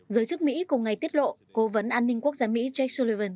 giới chức mỹ cùng ngày tiết lộ cố vấn an ninh quốc gia mỹ jake sullivan